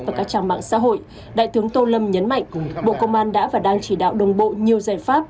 và các trang mạng xã hội đại tướng tô lâm nhấn mạnh bộ công an đã và đang chỉ đạo đồng bộ nhiều giải pháp